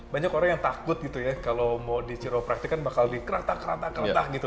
banyak orang yang takut gitu ya kalau mau di kiropraktik kan bakal di keratak keratak gitu